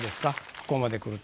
ここまでくると。